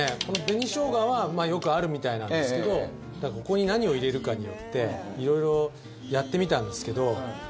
この紅しょうがはよくあるみたいなんですけどここに何を入れるかによっていろいろやってみたんですけど。